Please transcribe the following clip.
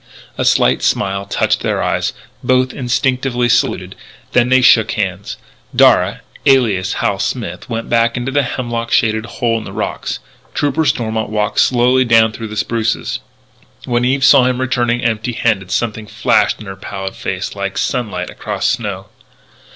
A slight smile touched their eyes. Both instinctively saluted. Then they shook hands; Darragh, alias Hal Smith, went back into the hemlock shaded hole in the rocks; Trooper Stormont walked slowly down through the spruces. When Eve saw him returning empty handed, something flashed in her pallid face like sunlight across snow.